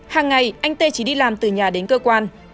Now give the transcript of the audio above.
hàng ngày anh tê chỉ đi làm từ nhà đến cơ quan